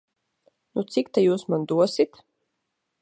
Nu, cik ta jūs man dosit?